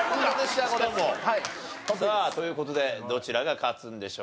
さあという事でどちらが勝つんでしょうか？